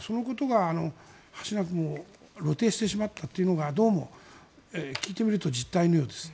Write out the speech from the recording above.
そのことがはしなくも露呈してしまったというのはどうも聞いてみると実態のようです。